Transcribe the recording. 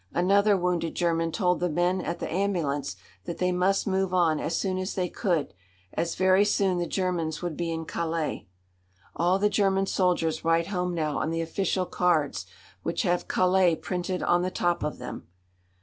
Another wounded German told the men at the ambulance that they must move on as soon as they could, as very soon the Germans would be in Calais. "All the German soldiers write home now on the official cards, which have Calais printed on the top of them!"